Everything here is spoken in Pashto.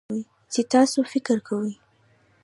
چې تاسو فکر کوئ